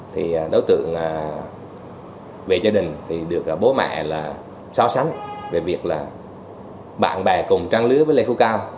thì đối tượng về gia đình thì được bố mẹ là so sánh về việc là bạn bè cùng trang lứa với lê phú cao